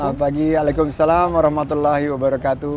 selamat pagi waalaikumsalam warahmatullahi wabarakatuh